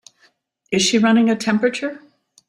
Is she running a temperature?